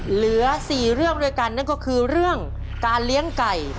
เหลือ๔เรื่องด้วยกันนั่นก็คือเรื่องการเลี้ยงไก่